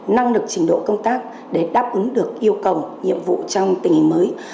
năng lực trình độ công tác để đáp ứng được yêu cầu nhiệm vụ trong tình hình mới